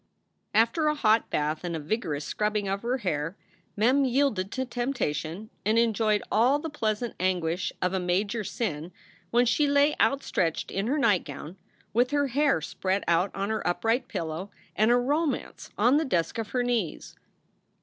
After a hot bath and a vigorous scrubbing of her hair Mem yielded to temptation and enjoyed all the pleasant anguish of a major sin when she lay outstretched in her nightgown, with her hair spread out on her upright pillow and a romance on the desk of her knees.